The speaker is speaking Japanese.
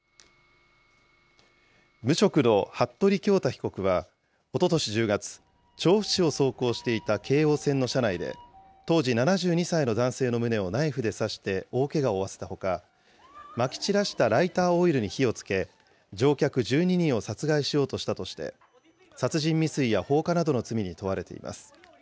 無職の服部恭太被告はおととし１０月、調布市を走行していた京王線の車内で、当時７２歳の男性の胸をナイフで刺して大けがを負わせたほか、まき散らしたライターオイルに火をつけ、乗客１２人を殺害しようとしたとして、殺人未遂や放火などの罪に問われています。